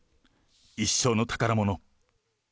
一生の宝物。